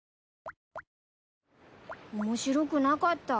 面白くなかった？